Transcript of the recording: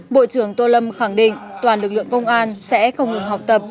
bộ trưởng tô lâm khẳng định toàn lực lượng công an sẽ không ngừng học tập